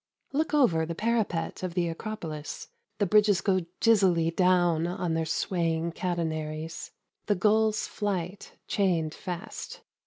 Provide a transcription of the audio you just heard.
Look over the parapet of the Acropolis. The bridges go dizzily down on their swaying catenaries, the gull's flight chained fast.